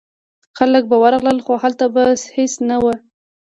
خلک به ورغلل خو هلته به هیڅ نه و.